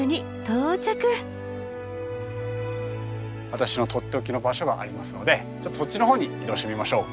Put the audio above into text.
私のとっておきの場所がありますのでそっちの方に移動してみましょう。